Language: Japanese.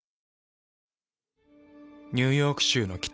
ニューヨーク州の北。